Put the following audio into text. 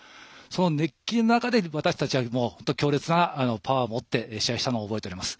熱気の中で私たちは強烈なパワーを持って試合したのを覚えています。